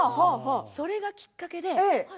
それがきっかけで。